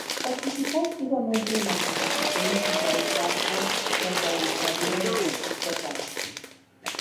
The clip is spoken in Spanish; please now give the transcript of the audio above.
Participó activamente en las instituciones del País Vasco tras la dictadura de Francisco Franco.